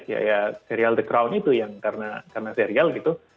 ya ya serial the crown itu yang karena serial gitu